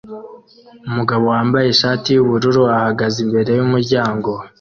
Umugabo wambaye ishati yubururu ahagaze imbere yumuryango